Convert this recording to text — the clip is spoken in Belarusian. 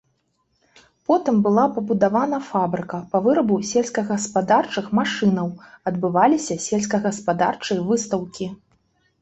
Потым была пабудавана фабрыка па вырабу сельскагаспадарчых машынаў, адбываліся сельскагаспадарчыя выстаўкі.